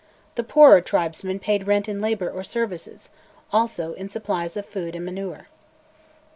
The poorer tribesmen paid rent in labour or "services," also in supplies of food and manure.